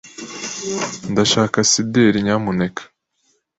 Ndashaka cider, nyamuneka.